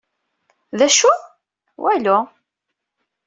D acu? Walu.